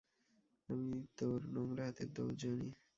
আমি তোর নোংরা হাতের দৌড় জানি।